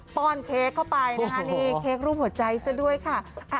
้อนเค้กเข้าไปนะคะนี่เค้กรูปหัวใจซะด้วยค่ะ